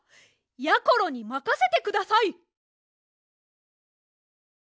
やころにまかせてください！